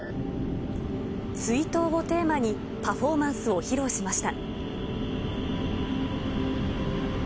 追悼をテーマに、パフォーマンスを披露しました。